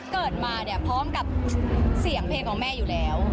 เกิดมาเนี่ยพร้อมกับเสียงเพลงของแม่อยู่แล้ว